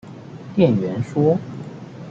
店員說